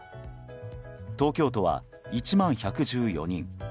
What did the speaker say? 東京都は１万１１４人。